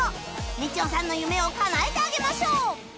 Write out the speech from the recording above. みちおさんの夢をかなえてあげましょう！